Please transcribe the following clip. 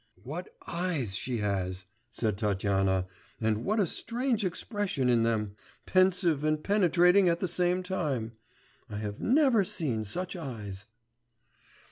'What eyes she has!' said Tatyana, 'and what a strange expression in them: pensive and penetrating at the same time.... I have never seen such eyes.